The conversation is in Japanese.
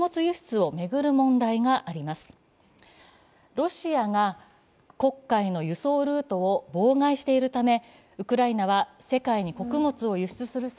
ロシアが国会の輸送ルートを妨害しているためウクライナは世界に穀物を輸出する際、